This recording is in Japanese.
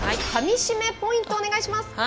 かみしめポイントお願いします。